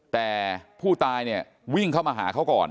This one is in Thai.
แต่ผู้ตายเนี่ยวิ่งเข้ามาหาเขาก่อน